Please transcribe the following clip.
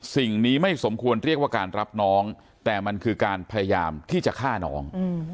สิ่งนี้ไม่สมควรเรียกว่าการรับน้องแต่มันคือการพยายามที่จะฆ่าน้อง